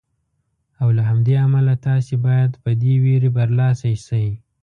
او له همدې امله تاسې باید په دې وېرې برلاسي شئ.